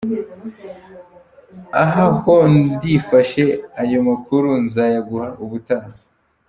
Aha ho ndifashe ayo makuru nzayaguha ubutaha.